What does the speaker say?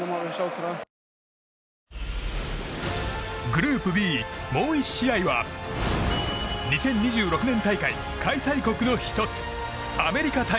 グループＢ、もう１試合は２０２６年大会開催国の１つアメリカ対